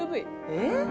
「えっ！